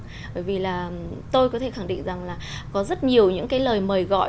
bởi vì là tôi có thể khẳng định rằng là có rất nhiều những cái lời mời gọi